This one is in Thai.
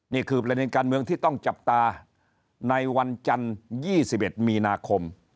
นี่คือประเด็นการเมืองที่ต้องจับตาในวันจันทร์๒๑มีนาคม